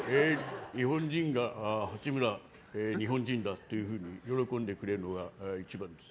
日本人が八村、日本人だって喜んでくれるのが一番です。